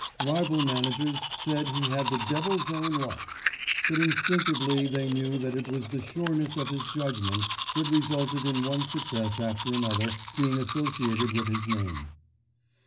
Rival managers said he had the devil's own luck; but instinctively they knew that it was the sureness of his judgment that resulted in one success after another being associated with his name.